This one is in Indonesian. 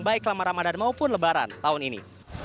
baik selama ramadan maupun lebaran tahun ini